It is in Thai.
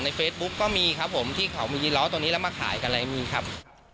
เฟซบุ๊กก็มีครับผมที่เขามียีล้อตัวนี้แล้วมาขายกันอะไรมีครับ